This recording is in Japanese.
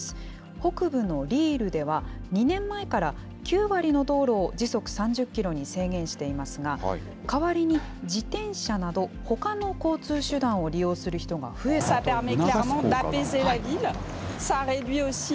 北部のリールでは、２年前から９割の道路を時速３０キロに制限していますが、代わりに自転車など、ほかの交通手段を利用する人が増えたといいます。